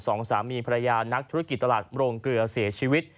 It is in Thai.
สองสามีภรรยานักธุรกิจตลาดโรงเกลือเสียชีวิต